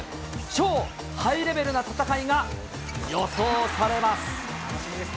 超ハイレベルな戦いが予想されます。